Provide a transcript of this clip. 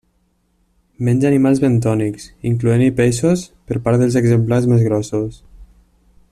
Menja animals bentònics, incloent-hi peixos per part dels exemplars més grossos.